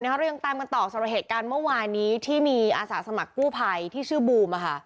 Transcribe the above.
เรายังตามกันต่อสำหรับเหตุการณ์เมื่อวานนี้ที่มีอาสาสมัครกู้ภัยที่ชื่อบูม